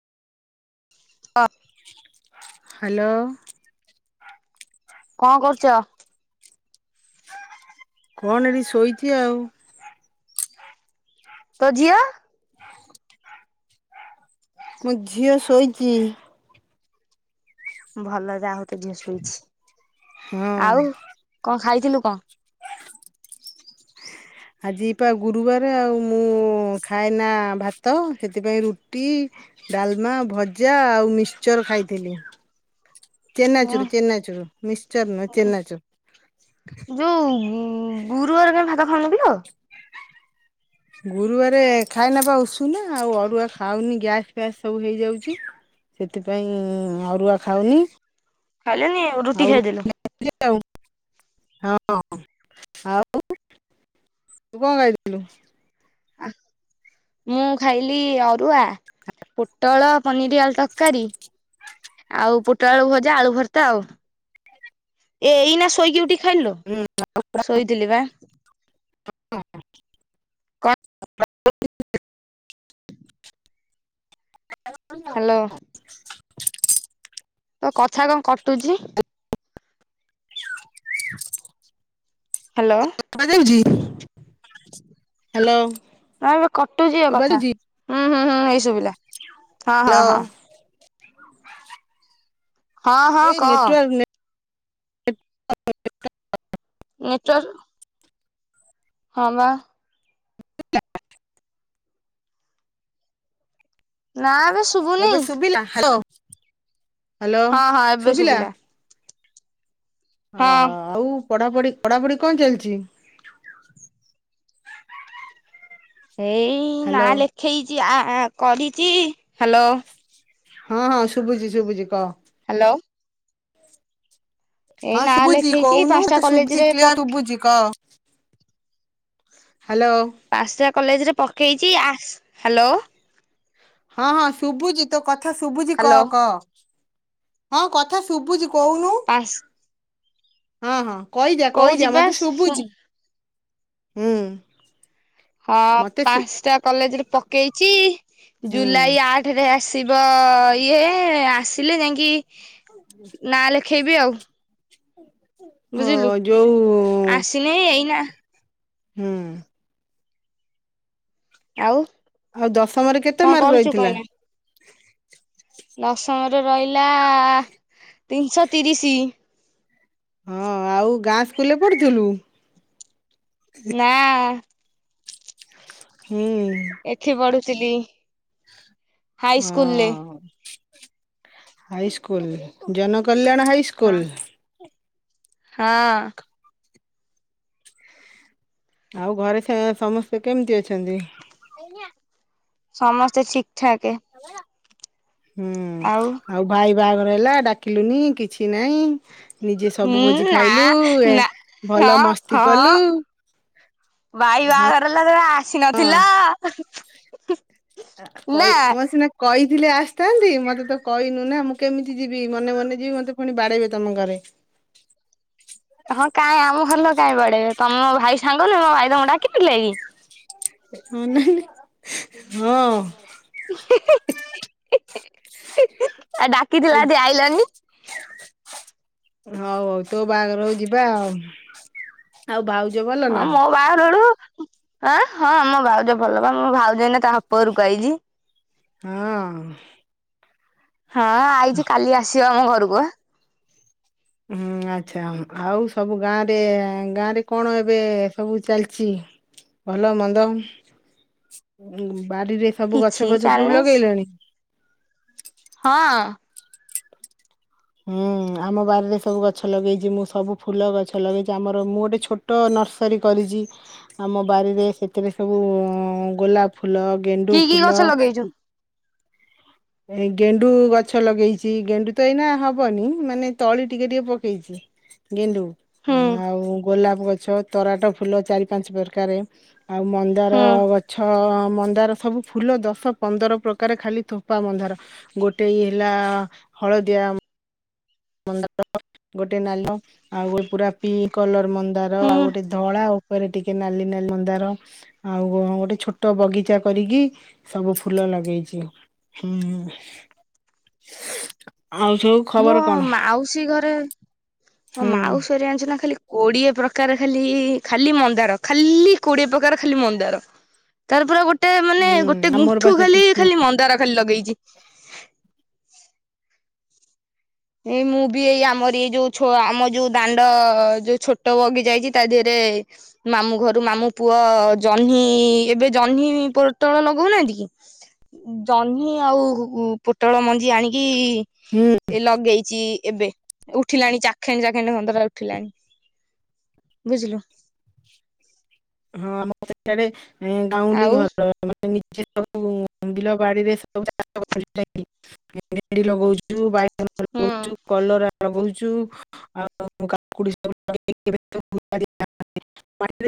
ଅ ହ୍ୟାଲୋ କଣ କରୁଛ? କଣ ଏଠି ଶୋଇଛି ଆଉ। ତୋ ହ ଝିଅ [unintelligible] ମୁଁ ଝିଅ ଶୋଇଛି। ଭଲ ଯା ହଉ ତ ଝିଅ ଶୋଇଛି ହଁ ଆଉ କଣ ଖାଇଥିଲୁ କ? ଆଜି ପା ଗୁରୁବାର ଆଉ ମୁଁ ଖାଏ ନା ଭାତ ସେଥିପାଇଁ ରୁଟି ଡାଲମା ଭଜା ଆଉ ମିକ୍ଚର ଖାଇଥିଲି। [unintelligible] ଚେନାଚୁରୁ ଚେନାଚୁରୁ ମିକ୍ସଚର ନୁହେଁ ଚେନାଚୁରୁ। ଯୁ ଗୁରୁବାର କନ ଭାତ ଖାଉନୁ କିଲୋ? ଗୁରୁବାରେ ଖାଏନା ପା ଉସୁନା ଆଉ ଅରୁୁଆ ଖାଉନି ଗ୍ୟାସ ଫ୍ୟାସ ସବୁ ହେଇଯାଉଛି। ସେଥିପାଇଁ ଅରୁଆ ଖାଉନି। ଖାଇଲନି ରୁଟି ଆଉ ଖାଇଦେଲୁ ଆ ହଁ ଆଉ [unintelligible] ତୁ କଣ ଖାଇଥିଲୁ? ଆ ମୁଁ ଖାଇଲି ଅରୁଆ ପୋଟଳ ପନିର ଆଳୁ ତରକାରୀ ଆଉ ପୋଟଳ ଆଳୁ ଭଜା ଆଳୁ ଭର୍ତା ଆଉ ଏଇନା ଶୋଇକି ଉଠି ଥେଲୁ ଶୋଇଥିଲୁ ଶୋଇଥିଲି ବା। କଣ [unintelligible] ହ [unintelligible] ହ୍ୟାଲୋ। [inaudible] କଥା କଣ କଟୁଛି? ହ୍ୟାଲୋ। କଣ ଚାଲିଛି ହ୍ୟାଲୋ। ନା ଏବେ କଟୁଛି ଏ ଶୁଭା କଥା ଯାଉଛି? ହୁଁ ହୁଁ ହୁଁ ହେଇ ସୁୁଭିଲା ହଁ ହଁ ହ୍ୟାଲୋ। ହଁ। ହଁ ହଁ ଏଇ କହ? ନେଟୱାର୍କ [inaudible] ନେଟୱାର୍କ ହଁ ବା। ନା ଏବେ ଶୁଭୁନି ଏବେ ଶୁଭିଲା? ହ୍ୟାଲୋ। ହ୍ୟାଲୋ ହଁ ହଁ ଏବେ ଶୁଭିଲା। ହଁ ଓହୋ ଆଉ ପଢାପଢି ପଢାପଢି କଣ ଚାଲିଚି? ଏଇ ନା ହ୍ୟାଲୋ ଲେଖେଇଚି ଆ କରିଚି ହ୍ୟାଲୋ। ହଁ ହଁ ଶୁଭୁଚି ଶୁବୁଚି କହ? ହ୍ୟାଲୋ। ଏଇ ହଁ ନାଁ ଶୁଭୁଚି ଲେଖେଇଛି କହୁନୁ ପାଞ୍ଚଟା ମତେ ଶୁଭୁଚି କଲେଜରେ କ୍ଲିୟର ପକ୍ ଶୁଭୁଚି। କ ହ୍ୟାଲୋ। ପାସଟା କଲେଜ୍ ରେ ପକେଇଚି ଆସ୍ ହ୍ୟାଲୋ। ହଁ ହଁ ଶୁଭୁଚି ତୋ କଥା ଶୁଭୁଚି କ ହ୍ୟାଲୋ। କ? ହଁ କଥା ଶୁଭୁଚି କଉନୁ। ପାସ୍ ହଁ ହଁ କଇଜା କୋଉ କଇଜା ଯିବା ମତେ ଶୁଁ ଶୁଭୁଚି ହୁଁ। ହଁ ମତେ ଶୁ ପାଞ୍ଚଟା କଲେଜ୍ ରେ ପକେଇଚି ହୁଁ ଜୁଲାଇ ଆ ଆଠାରେ ଆସିବ ଇଏ ଆସିଲେ ଯାଇକି ନାଁ ଲେଖେଇବି ଆଉ। [inaudible] ଓ ବୁଝିଲୁ ଯୋଉ ଆସିନି ଏଇନା। ହୁଁ। ଆଉ। ଆଉ ଦଶମରେ କେତେ କଣ ମାର୍କ କରୁଛୁ ରହିଥିଲା? ଦଶମ ରେ ରହିଲା ଆ ତିନିଶହ ତିରିଶି। ହଁ ଆଉ ଗାଁ ସ୍କୁଲରେ ପଢୁଥିଲୁ? ନାଁ। ହୁଁ। ଏଠି ପଢୁଥିଲି ହାଇ ସ୍କୁଲଲେ। ହଁ ହାଇସ୍କୁଲ ରେ ଜନ କଲ୍ୟାଣ ହଁ। ହାଇସ୍କୁଲ? ହଁ। ଆଉ ଘରେ ସେ ସମସ୍ତେ କେମିତି ଅଛନ୍ତି। ସମସ୍ତେ ଠିକ୍ ଠାକ୍। ହୁଁ ଆଉ ଭାଇ ବାହାଘର ହେଲା ଡାକିଲୁନି କିଛି ନାଇଁ ନିଜେ ସବୁ ହୁଁ ଭୋଜି ନା ଖାଇଲୁ ଏ ନା ଭଲ ହଁ ମସ୍ତି କଲୁ। ହଁ ଭାଇ ବାହାଘର ହେଲା [inaudible] ଆସି ହଁ ନଥିଲ ହୁ ହୁ। ଆ କଇ ମୁଁ ସିନା କହିଥିଲେ ଆସିଥାନ୍ତି ମତେ ତ କହିନୁ ନା ମୁଁ କେମିତି ଯିବି ମନେ ମନେ ଯିବି ମତେ ପୁଣି ବାଡ଼େଇ ବେ ତମ ଘରେ। ହଁ କାଇଁ ଆମ ଘର ଲୋକ କାହିଁ ବାଡ଼େଇବେ ତମ ଭାଇ ସାଙ୍ଗ ନୁହଁ ମୋ ଭାଇ ତମଙ୍କୁ ଡାକି ଥିଲେକି। ଅନାନି ହଁ। ହୁ ହୁ ହୁ ଆଉ ଡାକିଥିଲା ଯଦି ଆଇଲନି। ହଉ ହଉ ତୋ ବାହାଘର ହୋଉ ଯିବା ଆଉ। ଆଉ ଭାଉଜ ଭଲ ହଁ ନା? ମୋ ବାହାଘର ବେଳକୁ ଆ ହଁ ମ ଭାଉଜ ଭଲ ବା ମ ଭାଉଜ ଏଇନା ତା ବାପ ଘରକୁ ଆଇଛି। ହଁ। ହଁ ଆଇଚି କାଲି ଆସିବ ଆମ ଘରକୁ ବା। ହୁଁ ଆଚ୍ଛା ଆଉ ସବୁ ଗାଁରେ ଗାଁ ରେ କଣ ଏବେ ସବୁ ଚାଲିଚି। ଭଲ ମନ୍ଦ ବାଡ଼ିରେ ସବୁ କିଛି ଗଛ ଫଛ ସବୁ ଚାଲିନି ଲଗେଇଲଣି? ହଁ। ହୁଁ ଆମ ବାରିରେ ସବୁ ଗଛ ଲଗେଇଚି ମୁଁ ସବୁ ଫୁଲ ଗଛ ଲଗେଇଚି ଆମର ମୁଁ ଗୋଟେ ଛୋ ଛୋଟ ନର୍ସରୀ କରିଚି ଆମ ବାରିରେ ସେଥିରେ ସବୁ ଗୋଲାପ ଫୁଲ କି ଗେଣ୍ଡୁ କି ଗଛ ଫୁଲ ଲଗେଇଚୁ? ଏଇ ଗେଣ୍ଡୁ ଗଛ ଲଗେଇଛି ଗେଣ୍ଡୁ ତ ଏଇନା ହବନି ମାନେ ତଳି ଟିକେ ଟିକେ ପକେଇଛି। ଗେଣ୍ଡୁ ହୁଁ ଆଉ ଗୋଲାପ ଗଛ ତରାଟ ଫୁଲ ଚାରି ପାଞ୍ଚ ପ୍ରକାରେ। ଆଉ ମନ୍ଦାର ହୁଁ ଗଛ ମନ୍ଦାର ସବୁ ଫୁଲ ଦଶ ପନ୍ଦର ପ୍ରକାର ଖାଲି ଥୋ ଥୋପା ମନ୍ଧାର ଗୋଟେଇ ହେଲା ହଳଦିଆ ମନ୍ଦାର ଗୋଟେ ନାଲ ଆଉ ଗୋଟେ ପୁରା ପିଙ୍କ କଲର ମନ୍ଦାର ହୁଁ ଆଉ ଗୋଟେ ଧଳା ଆଉ ଉପରେ ଟିକେ ନ। ଲି ନ। ଲି ମନ୍ଦ। ର। ଆଉ ଗୋଟେ ଛୋଟ ବଗିଚା କରିକି ସବୁ ଫୁଲ ଲଗେଇଛି। ହୁଁ ଆଉ ସବୁ? ମୋ ଖବର କଣ? ମାଉସୀ ଘରେ ମୋ ହୁଁ ମାଉସୀରେ ଆଣିଛି ନା ଖାଲି କୋଡିଏ ପ୍ରକାର ଖାଲି ଖାଲି ମନ୍ଦାର ଖାଲି କୋଡିଏ ପ୍ରକାର ଖାଲି ମନ୍ଦାର। ତାର ପୁରାଗୋଟେ ମାନେ ହୁଁ ଗୋଟେ ଆମର ବା ଗୁଣ୍ଠୁ ସେଠି ଖାଲି ହୁଁ ଖାଲି ମନ୍ଦାର ଖାଲି ଲଗେଇଛି। ଏଇ ମୁଁ ବି ଏଇ ଆମରି ଏଇ ଯୋଉ ଆମ ଯୋଉ ଦାଣ୍ଡ ଯୋଉ ଛୋଟ ବଗିଚା ହେଇଛି ତା ଦେହରେ ମାମୁଁ ଘରୁ ମାମୁଁ ପୁଅ ଜହ୍ନି ଏବେ ଜହ୍ନି ପୋଟଳ ଲଗଉନାହାନ୍ତି କି? ଜହ୍ନି ଆଉ ପୁଟଳ ମଞ୍ଜି ଆଣିକି ହୁଁ। ଏ ଲଗେଇଛିି ଏବେ ଉଠିଲାଣି ଚାଖେଣ ଚାଖେଣ୍ଡେ କନ୍ତର ଉଠିଲାଣି। ବୁଝିଲୁ। ହଁ ଆମ ସେଠାରେ ଗାଉଁଲି ଆଉ ଘର ମାନେ ନିଜେ ସବୁ ବିଲବାଡିରେ ସବୁ ଚାଷ [unintelligible] ଭେଣ୍ଡି ଲଗଉଛୁ। ହୁଁ। [unintelligible] କଲରା ଲଗୋଉଛୁ। ଚୁ ଆଉ [unintelligible]